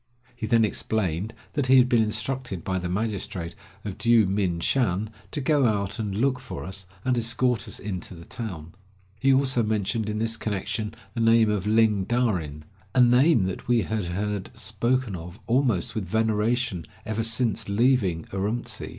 He then explained that he had been instructed by the magistrate of Dyou min shan to go out and look for us, and escort us into the town. He also mentioned in this connection the name of Ling Darin — a name that we had heard spoken of almost with veneration ever since leaving Urumtsi.